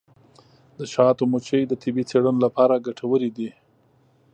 د شاتو مچۍ د طبي څیړنو لپاره ګټورې دي.